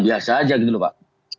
biasa aja gitu loh pak